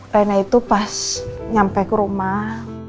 rena itu pas nyampe ke rumah